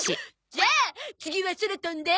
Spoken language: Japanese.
じゃあ次は空飛んで。